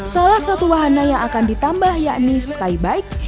salah satu wahana yang akan ditambah yakni skybike